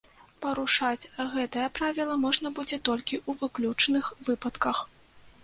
Парушаць гэтае правіла можна будзе толькі ў выключных выпадках.